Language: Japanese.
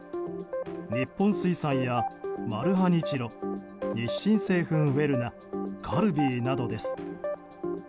日本水産やマルハニチロ日清製粉ウェルナカルビーなどです。